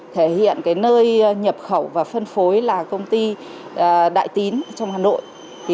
thể hiện nơi nhập khẩu và phân phối là công ty đại tín trong hà nội